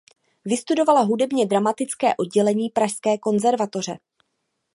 Vystudovala hudebně dramatické oddělení Pražské konzervatoře.